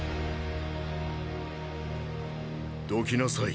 どきなさい。